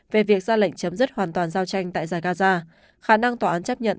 về việc ra lệnh chấm dứt hoàn toàn giao tranh tại giải gaza khả năng tòa án chấp nhận